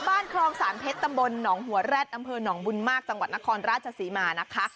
ครองสารเพชรตำบลหนองหัวแร็ดอำเภอหนองบุญมากจังหวัดนครราชศรีมานะคะ